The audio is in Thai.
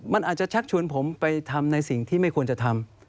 มันอาจจะชักชวนผมไปทำในสิ่งที่ไม่ควรจะทำ